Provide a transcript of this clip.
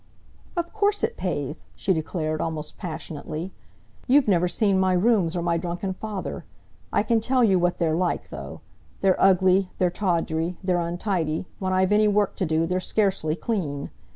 "Of course it pays!" she declared, almost passionately. "You've never seen my rooms or my drunken father. I can tell you what they're like, though. They're ugly, they're tawdry, they're untidy, when I've any work to do, they're scarcely clean.